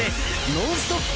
ノンストップ！